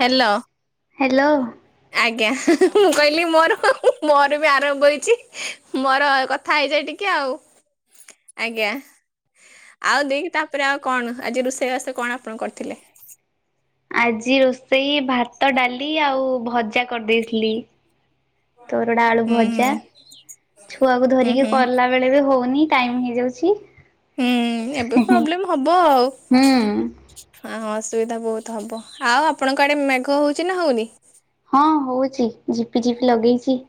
ହ୍ୟାଲ। Hello ଆଜ୍ଞା ମୁଁ କହିଲି ମୋର ମୋର ବି ଆରମ୍ଭ ହେଇଛି ମୋର କ- ଥା ହେଇଯାଏ ଟିକେ ଆଉ ଆଜ୍ଞା। ଆଉ ଦେଇକି ତାପରେ ଆଉ କଣ ଆଜି ରୋଷେଇବାସ କଣ ଆପଣ କରିଥିଲେ? ଆଜି ରୋଷେଇ ଭାତ ଡାଲି ଆଉ ଭଜା କରିଦେଇଥିଲି। ତରଡା ଆଳୁ ହୁଁ ଭଜା ଛୁଆକୁ ହୁଁ ଧରିକି ହୁଁ ହୁଁ କଲା ବେଳେ ହୋଉନି ଟାଇମ୍ ହେଇଯାଉଛି। ହୁଁ ଏବେ ପ୍ରୋବ୍ଲେମ୍ ହବ ଆଉ। ହୁଁ ହଁଁ ଅସୁବିଧା ବୋହୁତ ହବ ଆଉ ଆପଣଙ୍କ ଆଡେ ମେଘ ହୋଉଛି ନା ହୋଉନି? ହଁ ହୋଉଛି ଝିପି ଜିପି ଲଗେଇଛି।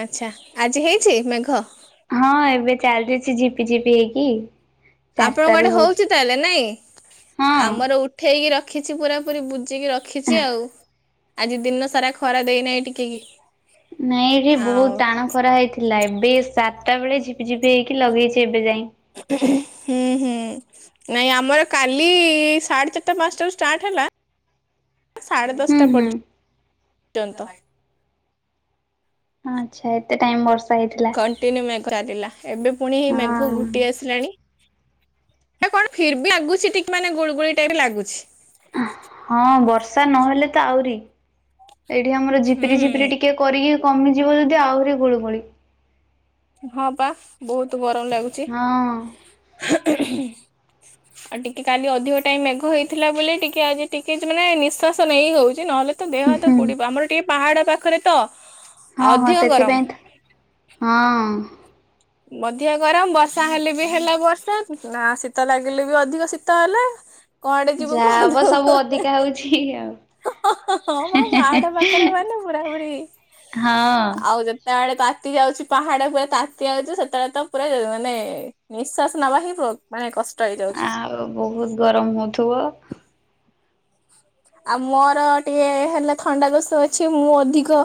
ଆଚ୍ଛା ଆଜି ହେଇଛି ମେଘ? ହଁ ଏବେ ଚାଲିଛି ଝିପିଝିପି ହେଇକି। ଚାରିଟା ଆପଣଙ୍କ ରୁ ଆଡ଼େ ହଉଛି ତାହେଲେ ନାଇଁ ହଁ। ଆମର ଉ ଠେଇକି ରଖିଛି ପୁରାପୁରି ବୁଜିକି ରଖିଛି ଆଉ। ଆଜି ଦିନ ସାରା ଖରା ଦେଇନାହିଁ ଟିକେ କି। ନାଇ ଏଠି ବହୁତ ଆଉ ଟାଣ ଖରା ହେଇଥିଲା ଏବେ ସାତଟା ବେଳେ ଝିପି ଝିପି ହେଇକି ଲଗେଇଛି ଏବେ ଯାଏ। ହୁଁ ହୁଁ ନାଇଁ ଆମର କାଲି-ଇ-ଇ-ଇ ସାଢେ ଚାରିଟା ପାଞ୍ଚଟାରୁ ଷ୍ଟାର୍ଟ ହେଲା ସାଢ଼େ ହୁଁ ଦଶଟା ହୁଁ ପର୍ଯ୍ୟ ନ୍ତ। ଆଚ୍ଛା ଏତେ ଟାଇମ ବର୍ଷା ହେଇଥିଲା କଣ୍ଟିନ୍ୟୁ ମେଘ ଚାଲିଲା ଏବେ ପୁଣି ଏ ମେଘୁ ହଁ ଘୁଟି ଆସିଲାଣି। ଏଟା କଣ ଫିର ବି ଲାଗୁଛି ଟିକେ ମାନେ ଗୁଳି ଗୁଳି ଟାଇପର ଲାଗୁଛି। ହଁ ବର୍ଷା ନହେଲେ ତ ଆହୁରି ଏଇଠି ଆମର ହୁଁ ଝିପିରି ଝିପିରି ଟି କେ କରିକି କମିଯିବ ଯଦି ଆହୁରି ଗୁଳୁ ଗୁଳି। ହଁ ପା ବହୁତ ଗରମ ଲାଗୁ ହଁ। [inaudible] ଆଉ ଟିକେ କାଲି ଅଧିକ ଟାଇମ୍ ମେଘ ହେଇଥିଲା ବୋଲି ଟିକେ ଆଜି ଟିକେ ଜ ମାନେ ନିଶ୍ଵାସ ନେଇ ହେଉଛି ନହେଲେ ତ ଦେହ ହାତ ହୁଁ ପୋଡ଼ିବ ଆମର ଟିକେ ପାହାଡ ପାଖରେ ତ ହଁ ହଁ ଅଧିକ ଗରମ ସେଥିପାଇଁ ଥ ହଁ-ଅ-ଅ। ବଧିଆ ଗରମ ବର୍ଷା ହେଲେ ବି ହେଲା ବର୍ଷା ନା ଶୀତ ଲାଗିଲେ ବି ଅଧିକ ଶୀତ ହେଲା। କୁଆଁଡ଼େ ଯିବୁ ଯାହା ହବ କୁହନ୍ତୁ। ସବୁ ଅଧିକା ହଉଛି ଆଉ। ହଁ ବା ପାହାଡ଼ ପାଖରେ ମାନେ ପୁରା ପୁରି ହଁ। ଆଉ ଯେ ତାଆଡ଼େ ତାତି ଯାଉଛି ପାହାଡ଼ ପୁରା ତାତ୍ ତିଆଉଚୁ ସେତେବେଳେ ତ ପୁରା ଏ-ଏ-ଏ ମାନେ ନିଶ୍ବାସ ନବା ହିଁ ପ୍ରୋବ ମାନେ କଷ୍ଟ ହେଇଯାଉଛି। ବହୁତ୍ ଗରମ୍ ହୋଉଥିବ। ଆ ମୋର ଟିକେ ହେଲେ ଥଣ୍ଡା ଦୋଷ ଅଛି ମୁଁ ଅଧିକ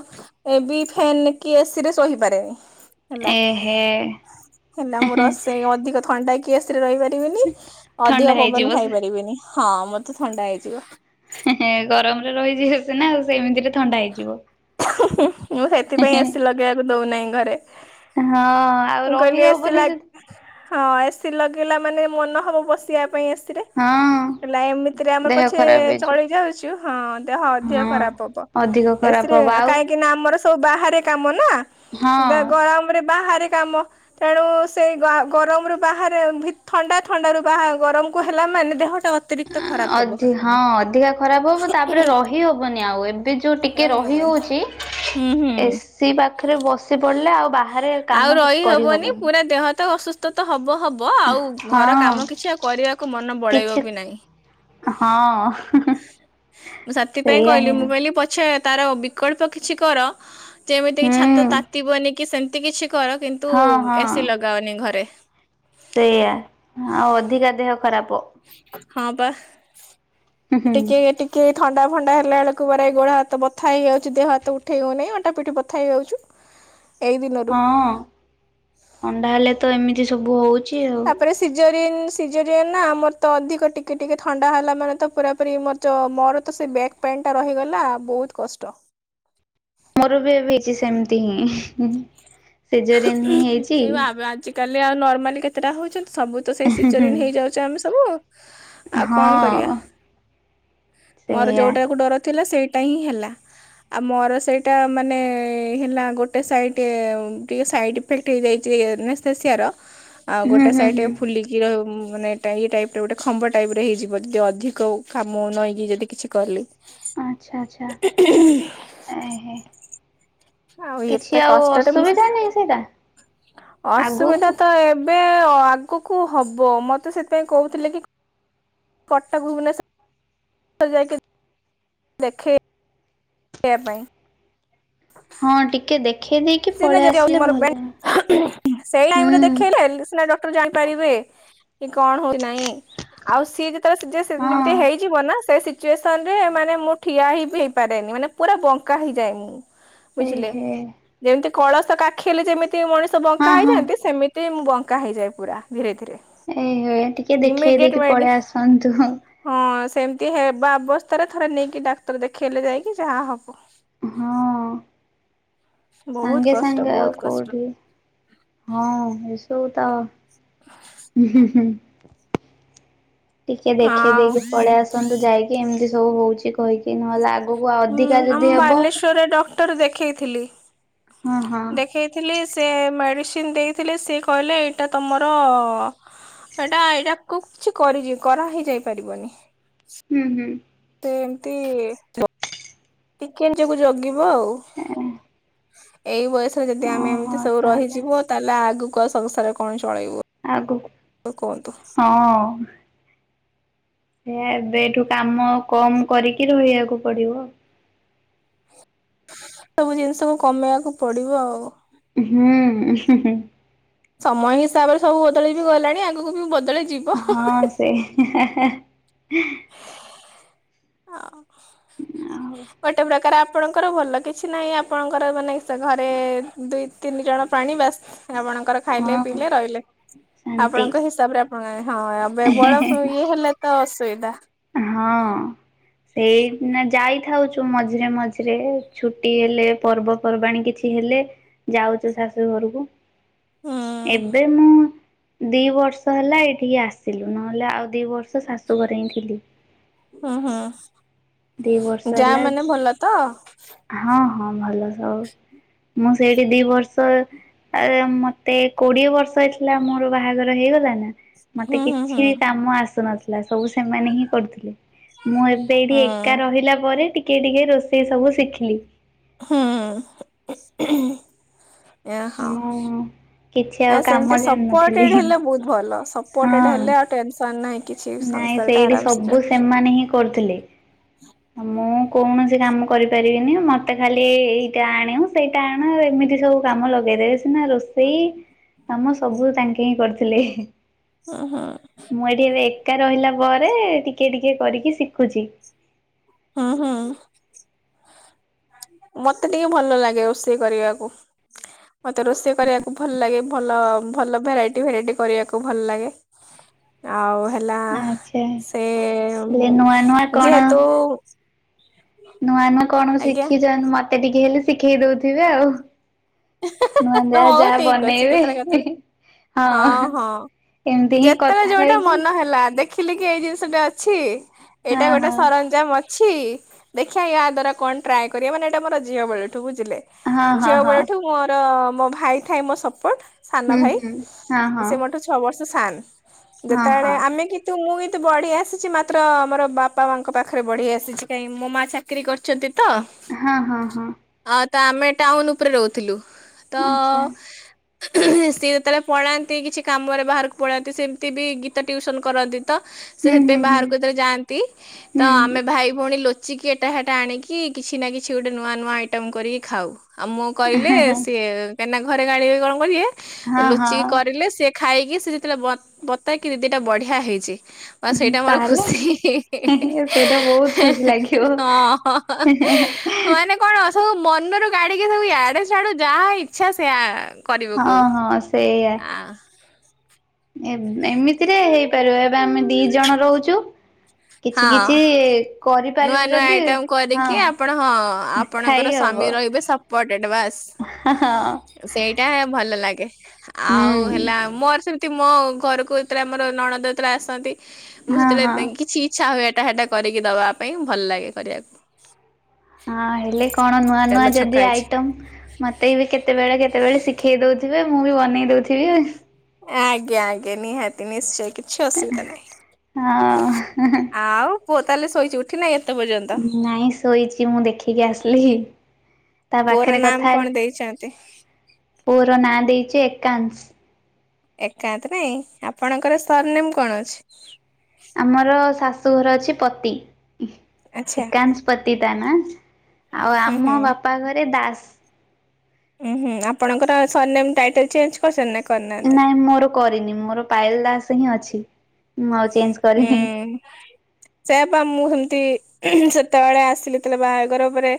ଏ ବି ଫ୍ୟାନ୍ କି ଏ ସି ରେ ଶୋହିପାରେ ହେଲା ଏ ହେ ହେଲା ମୋର ରୋଷେଇ ଅଧିକ ଥଣ୍ଡା କି ଏ ସିରେ ରହିପାରିବିନି ଥଣ୍ଡା ଅଧିକ ହେଇଯିବ ପବନ ଖାଇପାରିବିନି ହଁ ମତେ ଥଣ୍ଡା ହେଇଯିବ। ହେ ଗରମରେ ରହିଯିବେ ସିନା ଆଉ ସେମିତିରେ ଥଣ୍ଡା ହେଇଯିବ। ମୁଁ ସେଥିପାଇଁ ଏ ସି ଲଗେଇଆକୁ ଦଉନାହିଁ ଘରେ। ହଁ-ଅ-ଅ ଆଉ ମୁଁ କହିଲି ରହି ଏସି ଲା ହବନି ଯ ହଁ ଏ ସି ଲଗେଇଲା ମାନେ ମନ ହବ ବସିବା ପାଇଁ ଏ ସି ହଁ। ହେଲା ଏମିତିରେ ଆମେ ଦେହ ଖରାପ ପଛେ-ଏ-ଏ ହେଇଯିବ। ଚଳି ଯାଉଛୁ ହଁ ଦେହ ଅଧିକ ହଁ ଖରାପ ହବ। ଅଧିକ ଏ ଖରାପ ସିରେ ହବ ଆଉ କାହିଁକି ନା ଆମର ସବୁ ବାହାରେ କାମ ନା। ବା ହଁ ଗରମ୍ ରେ ବାହାରେ କାମ। ତେଣୁ-ଉ-ଉ ସେଇ ଗା ଗରମରୁୁ ବାହାରେ ଭିତ ଥଣ୍ଡା ଥଣ୍ଡାରୁ ବାହା ଗରମ କୁ ହେଲା ମାନେ ଦେହଟା ଅତିରିକ୍ ଅଧି ହଁ ଅଧିକା ଖରାପ ହବ ତାପରେ ରହି ହବନି ଆଉ ଏ ଏବେ ଯୋଉ ଟିକେ ରହି ରହିହବନି ହୋଉଛି ହୁଁ ହୁଁ। ଏସିି ପାଖରେ ବସି ପଡ଼ିଲେ ଆଉ ବାହା ଆଉ ରହି ହବନି ପୁରା ଦେହ ତ ଅସୁସ୍ ତ ତ ହବ ହବ ଆଉ ଘର ହଁ କାମ କିଛି ଆଉ କରିବାକୁ ମନ କିଛି ବଳେଇବ ବି ନାହିଁ। ହଁ। ମୁଁ ସେଥି ପାଇଁ ସେଇଆ ହିଁ କହିଲି ମୁଁ କହିଲି ପଛେ ତାର ବିକଳ୍ପ କିଛି କର। ଯେମିତିକି ହୁଁ ଛାତ ତାତିିବନି କି ସେମିତି କିଛି କର କିନ୍ତୁ ହଁ ଏ ସି ଲଗାଅନି ଘରେ। ସେଇୟା ଆଉ ଅଧିକା ଦେହ ଖରାପ। ହଁ ପା ହୁଁ ଏ ହୁଁ ଟିକେ ଟି ଟିକିଏ ଥଣ୍ଡା ଫଣ୍ଡା ହେଲା ଏଳକୁ ପରା ଗୋଡ଼ ହାତ ବଥା ହେଇଯାଉଛି ଦେହ ହାତ ଉଠେଇ ହଉନେଇଁ ଅଣ୍ଟା ପିଠି ବଥା ହେଇଯାଉଛି। [inaudible] ହ ହଁ ଥଣ୍ଡା ହେଲେ ତ ଏମିତି ସବୁ ହୋଉଛି ଆଉ। ପରେ ସିଜରିନ୍ ସିଜରିଆନ୍ ନାଁ ଆମର ତ ଅଧିକ ଟିକେ ଟିକେ ଥଣ୍ଡା ହେଲା ମାନେ ତ ପୁରାପୁରି ମୋର ମୋର ତ ସେଇ ବ୍ୟାକ୍ ପେନଟା ରହିଗଲା ବହୁତ କଷ୍ଟ। ମୋର ବି ଏବେ ହେଇଛି ସେମିତି ହିଁ ସିଜରିଆନ୍ ହିଁ ହେଇଛି। ତାଲେ ଆଉ ନର୍ମାଲି କେତେଟା ହଉଛନ୍ତି ସବୁ ତ ସେଇ ସିଜରିଆନ୍ ହେଇଯାଉଚେ ଆମେ ସବୁ। ଆଉ କ, ଣ କରିବା ହଁ ମୋର ସେଇଆ ଯୋଉଟାକୁ ଡ଼ର ଥିଲା ସେଇ ଟା ହିଁ ହେଲା ଆଉ ମୋର ସେଇଟା ମାନେ ହେଲା ଗୋ ଗୋଟେ ସାଇଟି ଟିକେ ସାଇଡ଼ିଇଫେକ୍ଟ ହେଇଯାଇଛି ଇନ୍ସେସ୍ଥେସିଆର। ଆଉ ହୁଁ ଗୋଟେ ହୁଁ ସାଇଟ୍ ହୁଁ ଟିକେ ଫୁଲି ଜିର ମାନେ ଟାଇ ଟାଇପର ଗୋଟେ ଖମ୍ବ ଟାଇପ୍ର ହେଇଚି ମତେ ଟିକେ ଅଧିକ କାମ ନଇଁକି ଯଦି କିଛି କରିଲି [inaudible] ଆଚ୍ଛା ଆଚ୍ଛା ଏଁ ହେଁ। ଆଉ ଏତେ କଷ୍ଟଟେ ମିଁସ ସେଇଟା ଅସୁବିଧା ଆଗକୁ ତ ଏ ଏବେ ଅ ଆଗକୁ ହବ ମତେ ସେଥିପାଇଁ କହୁଥିଲେ କି କଟକ ଭୁବନେଶ୍ୱର ଯାଇକି ଦେଖେଇ [inaudible] ହଁ ଟିକେ ଦେଖ [inaudible] [unintelligible] ଡ଼କ୍ଟର ହୁଁ ଜାଣିପାରିବେ କି କଣ ହୁଏନାହିଁ। ଆଉ ସିଏ ହଁ ଯେତେବେଳେ [inaudible] ହେଇଯିବ ନା ସେ ସିଚୁସନ ରେ ମାନେ ମୁଁ ଠିଆ ହେଇ ହେଇପାରେନି ମାନେ ପୁର ବଙ୍କା ହେଇଯାଏ ମୁଁ। ବୁଝିଲେ ଏହେ ଯେମିତି କଳସ କାଖେଇଲେ ଯେମିତି ମଣିଷ ହଁ ବଙ୍କା ହଁ ହେଇଜାନ୍ତି ସେମି ତୀ ମୁଁ ବଙ୍କା ହେଇଯାଏ ପୁରା ଧୀରେ ଧୀରେ। ଏହେ ଟିକେ ଦେଖେଇ ଇମିଡିଏଟ ଦେଇକି ମେଡି ପଳେଇ ଆସନ୍ତୁ ହେଁ। ହଁ ସେମିତି ହେବା ଅବସ୍ଥାରେ ଥରେ ନେଇକି ଡାକ୍ତର ଦେଖେଇଲେ ଯାଇକି ଯାହା ହବ। ହଁ ବହୁତ ସାଙ୍ଗେ କଷ୍ଟ ସାଙ୍ଗେ ଆଉ ବହୁତ କଷ୍ଟ କୋଉଠି? ହଁ [unintelligible] ଟିକେ ଦେଖେଇ ଆଉ ଦେଇକି ପଳେଇ ଆସନ୍ତୁ ଯାଇକି ଏମିତି ସବୁ ହଉଛି କହିକି ନହେଲେ ଆଗ ଆଗକୁ ଅଧିକା ଯଦି ହବ। ଥରେ ଡକ୍ଟର ଦେଖେଇଥିଲି ହଁ ହଁ ଦେଖେଇ ଲି ସେ ମେଡ଼ିସିନ ଦେଇଥିଲେ ସେ କହିଲେ ଏଇଟା ତମର ହେଟା ଏଇଟାକୁ କିଛି କରି କରା ହେଇ ଯାଇ ପାରିବନି। ହୁଁ ହୁଁ। ତ ଏମତି ଟିକେ ନିଜକୁ ଜଗିବ ଆଉ। ଏଇ ବୟସରେ ଯଦି ଆମେ ଓହୋ ଏମିତି ସବୁ ତାହେଲେ ରହିଯିବୁ ତାହେଲେ ଆଗକୁ ଆଉ ସଂସାର କଣ ଚଳେଇବୁ। ଆଗକୁ କୁହନ୍ତୁ ହଁ। ସେ ଏବେ ଏଠୁ କାମ କମ କରିକି ରହିବାକୁ ପଡିବ। ସବୁ ଜିନିଷକୁ କମେଇବାକୁ ପଡିବ ଆଉ। ହୁଁ [inaudible] ସମୟ ହିସାବରେ ସବୁ ବଦଳି ବିି ଗଲାଣି ଆଗକୁ ବି ବଦଳିଯିବ ହଁ ସେଇ। ଆ ଆଉ ଗୋଟେପ୍ରକାର ଆପଣଙ୍କର ଭଲ କିଛି ନାହିଁ ଆପଣଙ୍କର ମାନେ ସ ଘରେ ଦୁଇ ତିନି ଜଣ ପ୍ରାଣୀ ବାସ ଆପଣଙ୍କର ଖାଇଲେ ହଁ ପିଇଲେ ରହିଲେ। ଶାନ୍ତି ଆପଣଙ୍କ ହିସାବ ରେ ଆପଣଙ୍କ ହଁ ଏବେ ବଡ଼ ତ ଇଏ ହେଲେ ତ ଅସୁବିଧା। ହଁ ସେଇନା ଯାଇଥାଉଛୁ ମଝିରେ ମଝିରେ ଛୁଟି ହେଲେ ପର୍ବପର୍ବାଣୀ କିଛି ହେଲେ ଯାଉଛୁ ଶାଶୁ ଘରକୁ। ହୁଁ ଏବେ ମୁଁ ଦି ବର୍ଷ ହେଲା ଏଇଠିକି ଆସିଲୁ। ନହେଲେ ଆଉ ଦି ବର୍ଷ ଶାଶୁଘରେ ହିଁ ଥିଲି। ହୁଁ ଦି ବର୍ଷ ହୁଁ ଯା ହେଲା ମାନେ ଏବେ ଭଲ ତ? ହଁ ହଁ ଭଲ ସବୁ। ମୁଁ ସେଇଠି ଦି ବର୍ଷ ତାପରେ ମତେ କୋଡିଏ ବର୍ଷ ହେଇଥିଲା ମୋର ବାହାଘର ହେଇଗଲା ନା ମତେ ହୁଁ ହୁଁ ହୁଁ। କିଛି କାମ ଆସୁନଥିଲା ସବୁ ସେମାନେ ହିଁ କରୁଥିଲେ ମୁଁ ଏବେ ଏଠି ହୁଁ ଏ ରହିଲା ପରେ ଟିକେ ଟିକେ ରୋଷେଇ ସବୁ ଶିଖିଲି। ହୁ। ଇଏ ହଁ ମୁଁ କିଛି ଆଉ କାମ ସେମିତି ଜାଣିନଥିଲି ସପୋର୍ଟେଡ ହେଲେ ବହୁତ ସପ ପୋଟେଡ୍ ହଁ। ହେଲେ ଆଉ ଟେନସନ ନାହିଁ କିଛି। ନାଇଁ ସଂସାର ଟା ସେଇଠି ଆରାମସେ ସବୁ ଚାଲେ। ସେ ମାନେ ହିଁ କରୁଥିଲେ। ମୁଁ କୌଣସି କାମ କରିପାରିବିନି ମ ମତେ ଖାଲି ଏ ଏଇଟା ଆଣେ ସେଇଟା ଆଣ ଏମିତି ସବୁ କାମ ଲଗେଇଦେବେ ସିନା ରୋଷେଇ କାମ ସବୁ ତାଙ୍କେ ହିଁ କରିଥିଲେ। ହଁ ହଁ। ମୁଁ ଏଠି ଏବେ ଏକା ରହିଲା ପରେ ଟିକେ ଟିକେ କରିକି ଶିଖୁଛି। ହଁ ହଁ। ମତେ ଟିକେ ଭଲ ଲାଗେ ରୋଷେଇ କରିବାକୁ। ମତେ ରୋଷେଇ କରିବାକୁ ଭଲ ଲାଗେ ଭଲ ଭଲ ଭେରାଇଟି ଭେରାଇଟି କରିବାକୁ ଭଲ ଲାଗେ। ଆଉ ହେଲା ଆଚ୍ଛା ସେ ହେଲେ ନୂଆ ନୂଆ କଣ ଯେହେତୁ ନୂଆ ନୂଆ କଣ ଆଜ୍ଞା ଶିଖିଚନ ମତେ ଟିକେ ହେଲେ ଶିଖେଇ ଦୋଉଥିବେ ଆଉ। ନୁଆ ଯାହା ହଉ ଯାହା ଠିକ ଅଛି ବନେଇବେ। କେତେବେଳେ କେତେବେଳେ ହଁ ଏମତି ହିଁ ଯେତେବେଳେ କଥା ଯୋଉଟା ହେଇକି ମନ ହେଲା ଦେଖିଲି କି ଏଇ ଜିନିଷଟା ଅଛି ହଁ ଏଇଟା ଗୋଟେ ହଁ ସରଞ୍ଜାମ ଅ ଛି ଦେଖିବା ୟା ଦ୍ଵାରା କଣ ଟ୍ରାଏ କରିବା ମାନେ ଏଇଟା ମୋର ଝିଅ ବେଳଠୁ ବୁଝିଲେ ହଁ ହଁ ଝିଅ ହଁ ବେଳଠୁ ମୋର ମୋ ଭାଇ ଥାଏ ମୋ ସପୋର୍ଟ ସାନ ହୁଁ ଭାଇ ହୁଁ ହଁ ହଁ ସେ ମୋଠୁ ଛୋ ଛଅ ବର୍ଷ ସାଆନ୍। ହଁ ଯେତେବେଳେ ହଁ। ଆମେ କି ନ୍ତୁ ମୁଁ ବି ତ ବଢି ଆସିଛି ମାତ୍ର ଆମର ବାପା ମାଙ୍କ ପାଖରେ ବଢି ଆସିଛି କାହିଁ ମୋ ମା ଚା କିରୀ କରିଛନ୍ତି ତ ହଁ ହଁ ହଁ। ହଁ ତ ଆମେ ଟାଉନ ଉପରେ ରହୁଥିଲୁ। ତ ଆଚ୍ଛା ସିଏ ଯେତେବେଳେ ପଳାନ୍ତି କିଛି କାମରେ ବାହାରକୁ ପଳାନ୍ତି ସେମିତି ବି ଗୀତ ଟ୍ୟଉସନ୍ କରନ୍ତି ତ ସେ ହୁଁ ସେଥିପାଇଁ ହୁଁ ବାହାରକୁ ହୁଁ। ଯେତେବେଳେ ଯାଆନ୍ତି ତ ହୁଁ ହୁଁ ଆମେ ଭାଇ ଭଉଣୀ ଲୋଚ ଚିକି ଏଟା ହେଟା ଆଣିକି କିଛି ନା କିଛି ଗୋଟେ ନୂଆ ନୂଆ ଆଇଟମ୍ କରିକି ଖାଉ ଆଉ ମୋ କରିଲେ ସିଏ କାଇଁନା ଘରେ ଗାଳିବେ କଣ କରିବେ ହଁ ଲୁଚିକି ହଁ କରିଲେ ସିଏ ଖାଇକି ସେ ଯେତେବେଳେ ବତ ବତାକି ଦି ଦିଟା ବଢିଆ ହେଇଛି। ବା ସେଇଟା ମୋର ତାହେଲେ ଖୁସି ସେଇଟା ହଁ। ହେ ହେ ହେ। ମାନେ କଣ ସବୁ ମନରୁ କାଡିକି ସବୁ ୟାଡେ ସାଡୁ ଯାହା ଇଚ୍ଛା ସେଆ କରିବ ହଁ କହୁ ହଁ ସେଇଆ। ଆ ଏମିତିରେ ହେଇପାରିବ ଏବେ ଆମେ ଦି ଜଣ ରହୁଛୁ। କିଛି ହଁ କିଛି ନୂଆ କରିପାରିବୁ ନୂଆ ଯଦି ଆଇଟମ୍ କରିଦି ହଁ ଆପଣ ହଁ। ଖାଇ ଆପଣଙ୍କର ହବ ସ୍ବାମୀ ରହିବେ ସପୋର୍ଟେଡ ବାସ। ହଁ ସେଇଟା ଭଲ ଲାଗେ ଆଉ ହୁଁ ହେଲା ମୋର ସେମିତି। ମୋ ଘରକୁ ଯେତେବେଳେ ଆମର ନଣଦ ଯେତେବେଳେ ଆସନ୍ତି ମୁଁ ହଁ ହଁ। ସେତେବେଳେ କିଛି। ଇଛା ହୁଏ ଏଟା ହେଟା କରିକି ଦବା ପାଇଁ ଭଲ ଲାଗେ କରିବାକୁ। ହଁ ହେଲେ କଣ ନୂଆ ନୂଆ ତେଲ ଛଙ୍କା ଯଦି ହେଇଛି ଆଇଟମ ମତେ ବି କେତେବେଳେ କେତେବେଳେ ଶିଖେଇ ଦଉଥିବେ ମୁଁ ବି ବନେଇ ଦଉଥିବି। ଆଜ୍ଞା ଆଜ୍ଞା ନିହାତି ନିଶ୍ଚୟ କିଛି ଅସୁବିଧା ନାହିଁ। ଆଉ ହଁ। ଆଉ ପୁଅ ତାହେଲେ ଶୋଇଚି। ଉଠୀ ନାଇ ଏତେ ପର୍ଯ୍ୟନ୍ତ। ନାଇଁ ଶୋଇଚି ମୁଁ ଦେଖିକି ଆସିଲି। ତା ପୁଅର ପାଖରେ ନାମ କଥା ହେଲି। କଣ ଦେଇଛନ୍ତି। ପୁଅର ନାଁ ଦେଇଛି ଏକାଂଶ। ଏକାନ୍ତ ନାଇଁ ଆପଣଙ୍କର ସର ନେମ କଣ ଅଛି। ଆମର ଶାଶୁଘର ଅଛି ପତି ଆଚ୍ଛା ଏକାଂଶ ପତି ତା ନା। ଆଉ ହୁଁ ଆମ ହୁଁ। ବାପା ଘରେ ଦାସ। ଉଁ ହୁଁ ଆପଣଙ୍କର ସର ନେମ ଟାଇଟେଲ ଚେଞ୍ଜ କରିସନି ନା କର ନା ନାଇଁ ମୋର କରିନି ମୋର ପାୟଲ ଦାସ ହିଁ ଅଛି ମୁଁ ଆଉ ଚେଞ୍ଜ କରିନି। ହ ସେୟାପା ମୁଁ ହେମିତି ସେତେବେଳେ ଆସିଲି ତେବେଳେ ବାହାଘର ପରେ।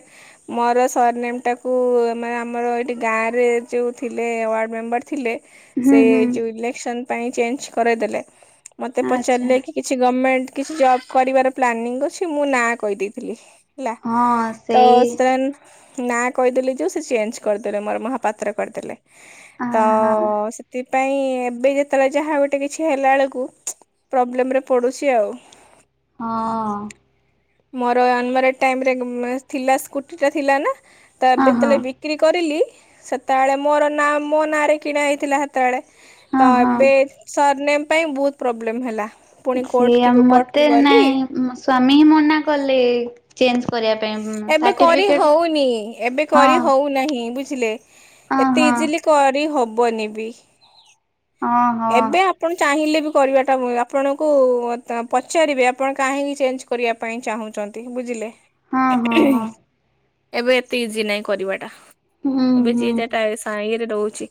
ମୋର ସର ନେମ୍ ଟାକୁ ମାନେ ଆମର ଏଇଠି ଗାଁରେ ଯେଉଁ ଥିଲେ ୱାର୍ଡ଼ ମେମ୍ବର ଥିଲେ। ହୁଁ ସେ ହୁଁ ଯୋଉ ଇଲେକ୍ସନ ପାଇଁ ଚେଞ୍ଜ କରେଇଦେଲେ। ମତେ ଆଚ୍ଛା। ପଚାରିଲେ କି କିଛି ଗଭର୍ମେଣ୍ଟ କିଛି ଜବ କରିବାର ପ୍ଲାନିଂ ଅଛି ମୁଁ ନାଁ କହିଦେଇଥିଲି। ହେଲା ହଁ ତ ସେଇ ସେତେବେଲେ। ନାଁ କହିଦେଲି ଯେଉଁ ସେ ଚେଞ୍ଜ କରିଦେଲେ ମୋର ମହାପାତ୍ର କରିଦେଲେ। ଆ ତ ହଁ ସେଥିପାଇଁ ଏବେ ଯେତେବେଳେ ଯାହା ଗୋଟେ କିଛି ହେଲା ବେଳକୁ ପ୍ରୋବ୍ଲେମରେ ପଡ଼ୁଚି ଆଉ। ହଁ। ମୋର ଆନ୍ ମ୍ୟାରେଡ ଟାଇମ୍ ରେ ମାନେ ଥିଲା ସ୍କୁଟି ଟା ଥିଲା ନା ତ ହଁ ଏବେ ହଁ ଯେତେବେଳେ ବି ବିକ୍ରି କରିଲି ସେତେବେଳେ ମୋର ନାଁ ମୋ ନାଁରେ କିଣା ହେଇଥିଲା ତବେଳେ ହଁ ତ ହଁ। ଏବେ ସର୍ ନେମ୍ ପାଇଁ ବହୁତ୍ ପ୍ରୋବ୍ଲେମ୍ ହେଲା। ପୁଣି କୋର୍ଟ ସେଆ କି କୋର୍ଟକୁ ମତେ ଗଲି ନାଇଁ ମୋ ସ୍ଵାମୀ ହିଁ ମନା କଲେ। ଚେଞ୍ଜ କରିବା ପାଇଁ ଏବେ କରି ସାର୍ଟିଫିକେଟ ହଉନି ଏବେ ହଁ କରି ହଉନାହିଁ ବୁଝିଲେ? ହଁ ଏତେ ହଁ ଇଜିଲି କରି ହବନି ବି ହଁ ହଁ ଏବେ ଆପଣ ଚାହିଁଲେ ବି କରିବାଟା ଆପଣଙ୍କୁ ପଚାରିବେ ଆପଣ କାହିଁକି ଚେଞ୍ଜ୍ କରିବା ପାଇଁ ଚାହୁଁଛନ୍ତି ବୁଝିଲେ ହଁ ହଁ ହଁ ଏବେ ଏତେ ଇଜି ନାହିଁ କରିବାଟା। ହୁଁ ଏବେ ହୁଁ ଯିଏ ଯାଟା ଇଏରେ ରହୁଚି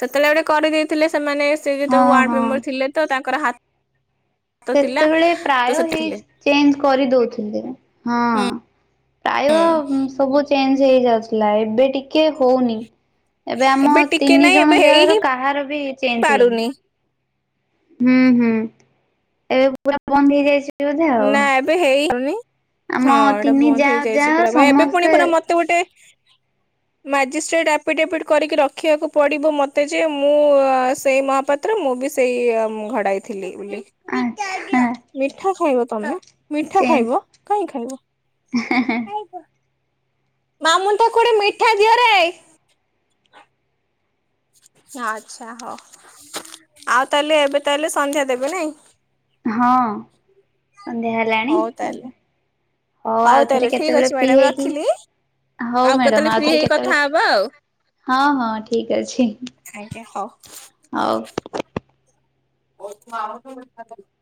ସେତେବେଳେ ଗୋଟେ କରିଦେଇଥିଲେ ସେମାନେ ସେ ହଁ ଯେତେଳେ ୱାର୍ଡ ହଁ ମେମ୍ବର୍ ଥିଲେ ତ ତାଙ୍କର ହା ସେତେବେଳେ ପ୍ରାୟ ତ ହେଇ ସେଥିଥିଲେ ଚେଞ୍ଜ୍ କରିଦଉଥିଲେ ହଁ ପ୍ରାୟ ହୁଁ ସବୁ ଚେଞ୍ଜ୍ ହେଇଯାଉଚି। ଲା ଏବେ ଟିକେ ହଉନି ଏବେ ଆମ ଟିକେ ତିନି ନାଇଁ ଜଣ ଏବେ ହେଇ ଜାଆର ହିଁ କାହାର ବି ଚେଞ୍ ହେଇନି। ପାରୁନି। ହୁଁ ହୁଁ। ଏବେ ପୁରା ପନ୍ଦ ହେଇଯାଇଛି। ବୋଧେ ନା ଆଉ ଏବେ ହେଇପାନି। ଆମ ହଁ ଏଇଟା ତିନି ବନ୍ଦ ଯା ଯା ହେଇଯାଇଛି ପୁରା ଏବେ ପୁଣି ସମସ୍ତେ ପୁରା ମତେ ମୋତେ ଗୋଟେ ମାଜିଷ୍ଟ୍ରେଟ୍ ଆପିଡେପିଡି କରିକି ରଖିବାକୁ ପଡ଼ିବ ମୋତେ ଯେ ମୁଁ ଆ ସେଇ ମହାପା ତ୍ର ମୁଁ ବି ସେଇ ଆ ଘଡ଼ାଇଥିଲି ବୋଲି। ଆଚ୍ଛା ମିଠା ଖାଇବ ତମେ। ମିଠା ଚେ ଖାଇବ କାଇଁ ଖାଇବ? ମାମୁଁନୁ ତାକୁ ଗୋଟେ ମିଠା ଦିଅରେ। ଆଚ୍ଛା ହଉ। ଆଉ ତାହେଲେ ଏବେ ତାହେଲେ ସନ୍ଧ୍ୟା ଦେବେ ନାଇ? ହଁ। ସନ୍ଧ୍ୟାହେଲେ ହଉ ତାଆଲେ। ହଉ ଆଉଥରେ ତାହାଲେ ଠିକ୍ କେତେବେଳେ ଅଛି ଫ୍ରି ମ୍ୟାଡ଼ାମ୍ ହେଇକି ରଖିଲି। ହଉ ଆଉ ମ୍ୟାଡାମ କେତେବେଳେ ଫ୍ରି ଆଉଥରେ ହେଇକି କଥା କେତେବେଳେ ହବା ଆଉ। ହଁ ହଁ ଠିକ୍ ଅଛି। ଆଜ୍ଞା ହଉ। ହଉ। [unintelligible]